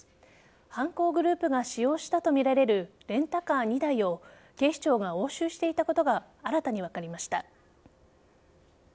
犯行グループが使用したとみられるレンタカー２台を警視庁が押収していたことが新たに分かりました。